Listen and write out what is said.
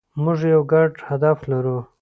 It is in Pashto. موږ یو ګډ هدف لرو.